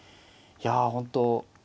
いやほんと